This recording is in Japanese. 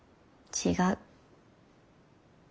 違う？